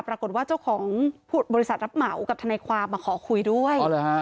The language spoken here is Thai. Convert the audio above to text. ปรากฏว่าเจ้าของบริษัทรับเหมากับทนายความมาขอคุยด้วย